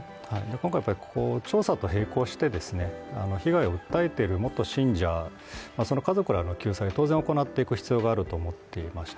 今回、調査と並行して被害を訴えている元信者、その家族らの救済は当然行っていく必要があると思っています。